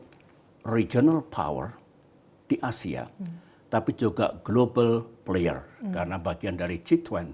ini adalah regional power di asia tapi juga global player karena bagian dari g dua puluh